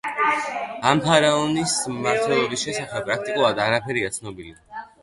ამ ფარაონის მმართველობის შესახებ პრაქტიკულად არაფერია ცნობილი.